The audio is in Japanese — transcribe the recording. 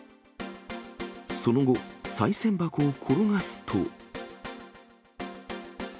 その後、さい銭箱を転がすと。